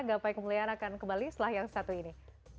gapai kemuliaan akan kembali setelah yang satu ini